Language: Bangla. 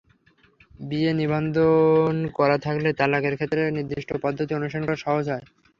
বিয়ে নিবন্ধন করা থাকলে তালাকের ক্ষেত্রে নির্দিষ্ট পদ্ধতি অনুসরণ করা সহজ হয়।